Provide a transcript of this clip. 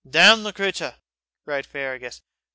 "Damn the cratur!" cried Fergus.